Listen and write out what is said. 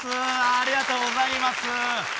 ありがとうございます。